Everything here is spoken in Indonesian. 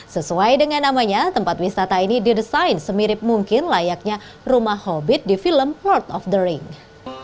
sesuai dengan namanya tempat wisata ini didesain semirip mungkin layaknya rumah hobbit di film plat of the ring